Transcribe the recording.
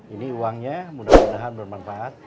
ini uangnya mudah mudahan bermanfaat